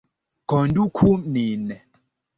Konduku nin!